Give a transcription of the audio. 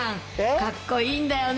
かっこいいんだよね。